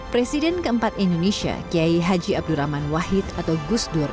presiden keempat indonesia kiai haji abdurrahman wahid atau gusdur